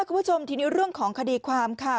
คุณผู้ชมทีนี้เรื่องของคดีความค่ะ